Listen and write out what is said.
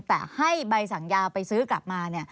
แต่ให้ใบสั่งยาไปซื้อกลับมา